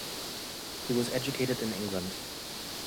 He was educated in England.